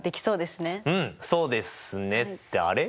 うんそうですねってあれっ？